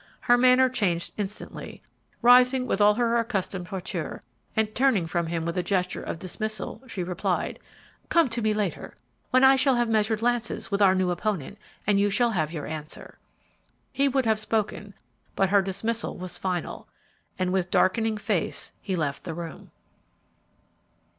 Her manner changed instantly; rising with all her accustomed hauteur and turning from him with a gesture of dismissal, she replied, "Come to me later, when I shall have measured lances with our new opponent, and you shall have your answer." He would have spoken, but her dismissal was final, and with darkening face he left the room.